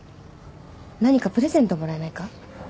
何かプレゼントもらえないか？